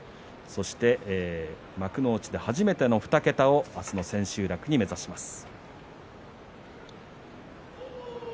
そして幕内で初めての２桁を明日の千秋楽に目指します。